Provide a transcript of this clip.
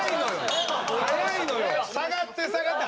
下がって下がって。